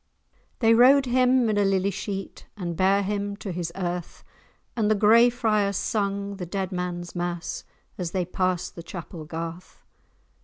They rowed him in a lily sheet, And bare him to his earth, And the Gray Friars sung the dead man's mass, As they pass'd the Chapel Garth.